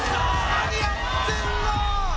何やってんのー！